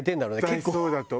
絶対そうだと。